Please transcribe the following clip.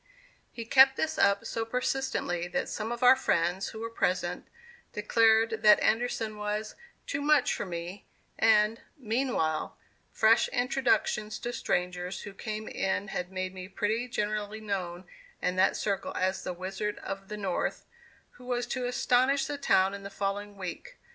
He kept this up so persistently that some of our friends who were present, declared that Anderson was "too much for me," and, meanwhile, fresh introductions to strangers who came in, had made me pretty generally known in that circle as the "Wizard of the North," who was to astonish the town in the following week.